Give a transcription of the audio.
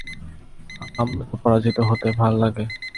আমার তো পরাজিত হতে ভাললাগে।